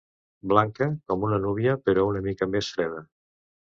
Blanca com una núvia, però una mica més freda.